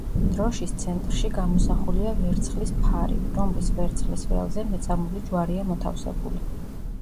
დროშის ცენტრში გამოსახულია ვერცხლის ფარი, რომლის ვერცხლის ველზე მეწამული ჯვარია მოთავსებული.